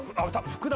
福田